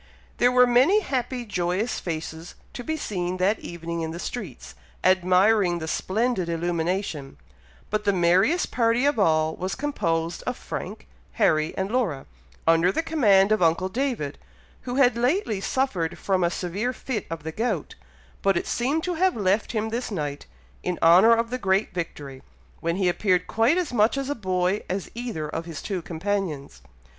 There were many happy, joyous faces, to be seen that evening in the streets, admiring the splendid illumination; but the merriest party of all, was composed of Frank, Harry, and Laura, under the command of uncle David, who had lately suffered from a severe fit of the gout; but it seemed to have left him this night, in honour of the great victory, when he appeared quite as much a boy as either of his two companions.